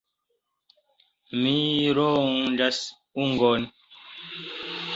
Mi ronĝas ungon.